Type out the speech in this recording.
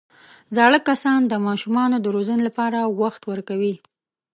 زاړه کسان د ماشومانو د روزنې لپاره وخت ورکوي